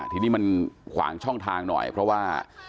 ทีนี้มันขวางช่องทางหน่อยเพราะว่า